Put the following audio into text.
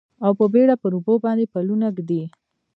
او په بیړه پر اوبو باندې پلونه ږدي